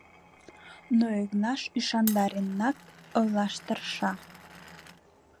Но Игнаш ӱшандаренак ойлаш тырша.